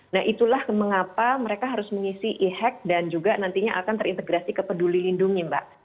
nah itulah mengapa mereka harus mengisi e hack dan juga nantinya akan terintegrasi ke peduli lindungi mbak